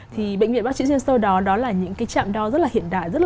thì bệnh viện bác trị sinh sâu đó là những cái trạm đo rất là hiện đại